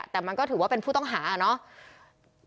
แต่มันก็ถือว่าเป็นผู้ต้องหาเนาะ